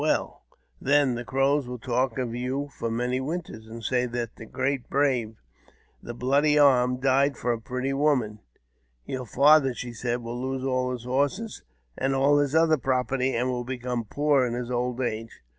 Well, then the Crows will talk of you for many winters, and say that the great brave, • The Bloody Arm,' died for a pretty woman." 202 AUTOBIOGBAPHY OF .^m ''Your father," she said, "will lose all his horses, and al^l his other property, and will become poor in his old age.